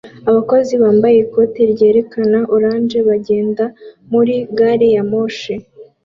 Abakozi bambaye ikoti ryerekana orange bagenda muri gari ya moshi